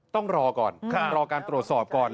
ต้องรอก่อนรอการตรวจสอบก่อน